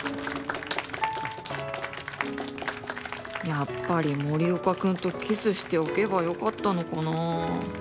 やっぱり森岡君とキスしておけば良かったのかなあ。